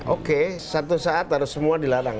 oke satu saat harus semua dilarang